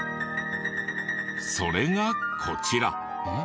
それがこちら。